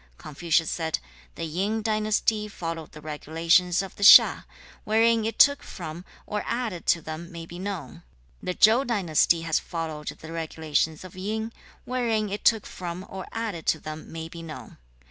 2. Confucius said, 'The Yin dynasty followed the regulations of the Hsia: wherein it took from or added to them may be known. The Chau dynasty has followed the regulations of Yin: wherein it took from or added to them may be known.